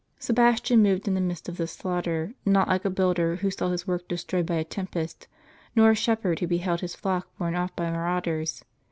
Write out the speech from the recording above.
w^ Sebastian moved in the midst of this slaughter, not like a builder who saw his work destroyed by a tempest, nor a shep herd who beheld his flock borne off by marauders.